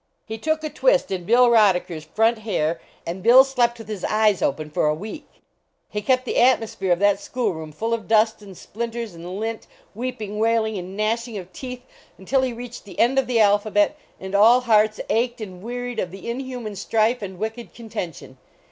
He took a twist in Bill Rodeckcr s front hair, and Bill slept with his eyes open for a week. He kept the atmosphere of that school room full of dust, and splinters, and lint, weeping, wailing and gnashing of teeth, until he reached the end of the alphabet and 264 THE STRIKE AT IIIN MAN S all hearts ached and wearied of the inhuman strife and wicked contention.